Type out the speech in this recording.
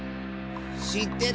しってる！